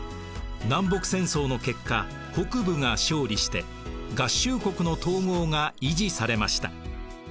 南北戦争の結果北部が勝利して合衆国の統合が維持されました。